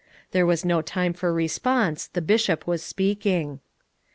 There was no time for response, the Bishop was speaking.